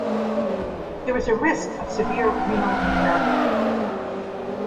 There is a risk of severe renal impairment.